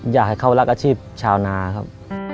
อยากให้เขารักอาชีพชาวนาครับ